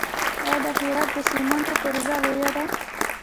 آیا د هرات د سمنټو پروژه لویه ده؟